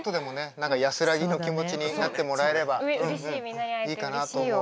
何か安らぎの気持ちになってもらえればいいかなと思う。